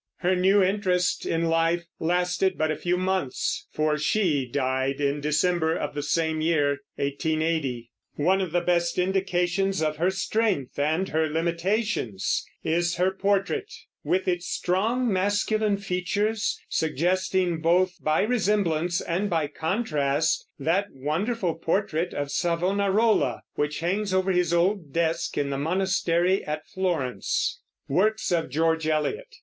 Her new interest in life lasted but a few months, for she died in December of the same year (1880). One of the best indications of her strength and her limitations is her portrait, with its strong masculine features, suggesting both by resemblance and by contrast that wonderful portrait of Savonarola which hangs over his old desk in the monastery at Florence. WORKS OF GEORGE ELIOT.